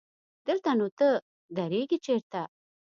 دلته نو ته درېږې چېرته؟